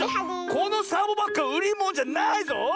このサボバッグはうりものじゃないぞ！